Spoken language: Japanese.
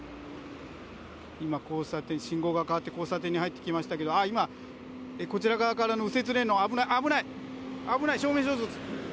今、交差点、信号が変わって、交差点に入ってきましたけど、ああ、今、こちら側からの右折レーンの、危ない、危ない、危ない、正面衝突。